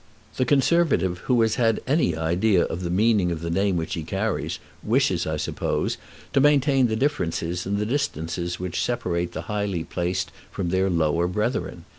The Conservative who has had any idea of the meaning of the name which he carries, wishes, I suppose, to maintain the differences and the distances which separate the highly placed from their lower brethren.